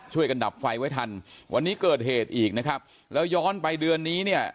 ดับไฟไว้ทันวันนี้เกิดเหตุอีกนะครับแล้วย้อนไปเดือนนี้เนี่ย